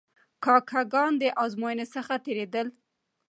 کاکه ګان د آزموینو څخه تیرېدل.